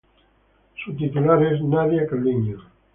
Su titular es Nadia Calviño.